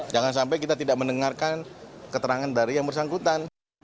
jangan sampai kita tidak mendengarkan keterangan dari yang bersangkutan